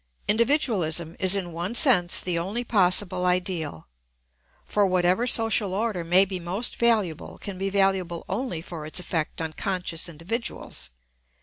Individualism is in one sense the only possible ideal; for whatever social order may be most valuable can be valuable only for its effect on conscious individuals.